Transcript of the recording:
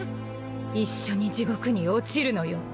一緒に地獄に落ちるのよ。